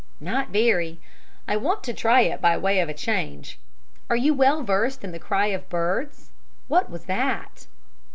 "Not very. I want to try it by way of a change. Are you well versed in the cry of birds? What was that?"